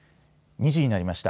２時になりました。